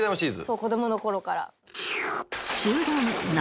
そう子供の頃から。